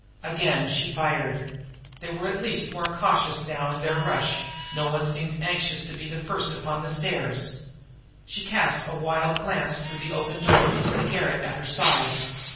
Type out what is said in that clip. Again she fired. They were at least more cautious now in their rush no one seemed anxious to be first upon the stairs. She cast a wild glance through the open door into the garret at her side.